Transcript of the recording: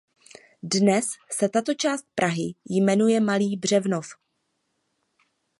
Dnes se tato část Prahy jmenuje Malý Břevnov.